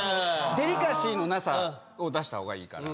デリカシーのなさを出した方がいいから。